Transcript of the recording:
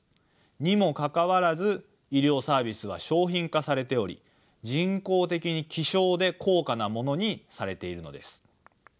にもかかわらず医療サービスは商品化されており人工的に希少で高価なものにされているのです。